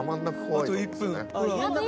あと１分。